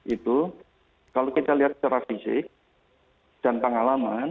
itu kalau kita lihat secara fisik dan pengalaman